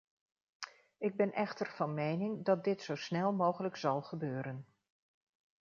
Ik ben echter van mening dat dit zo snel mogelijk zal gebeuren.